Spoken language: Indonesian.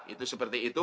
itu seperti itu